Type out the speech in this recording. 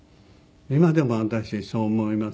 今でも私そう思います。